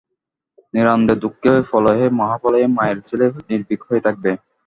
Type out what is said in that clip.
নিরানন্দে, দুঃখে, প্রলয়ে, মহাপ্রলয়ে মায়ের ছেলে নির্ভীক হয়ে থাকবে।